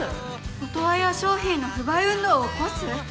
「オトワヤ商品の不買運動を起こす」！？